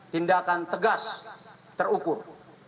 tindakan tegas terukur